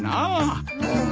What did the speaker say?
うん。